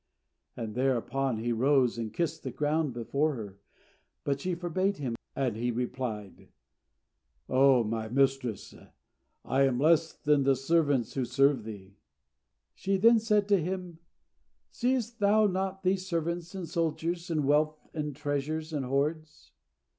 And thereupon he arose and kissed the ground before her; but she forbade him; and he replied, "O my mistress, I am less than the servants who serve thee." She then said to him, "Seest thou not these servants and soldiers and wealth and treasures and hoards?"